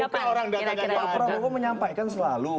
pak prabowo menyampaikan selalu